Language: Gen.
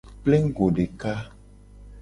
Plengugo deka.